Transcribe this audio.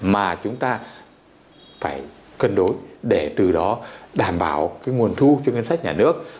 mà chúng ta phải cân đối để từ đó đảm bảo cái nguồn thu cho ngân sách nhà nước